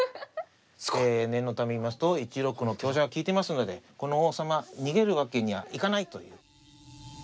念のため言いますと１六の香車が利いてますのでこの王様逃げるわけにはいかないという。